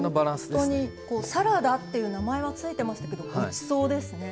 もうほんとに「サラダ」っていう名前は付いてましたけどごちそうですね。